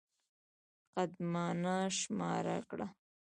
قدمانه شماره کړه.